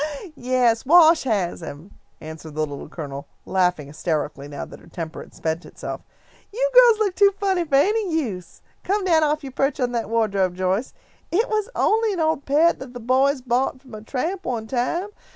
"Yes, Wash has him," answered the Little Colonel, laughing hysterically now that her temper had spent itself. "You girls look too funny for any use. Come down off your perch on that wardrobe, Joyce. It was only an old pet that the boys bought from a tramp one time.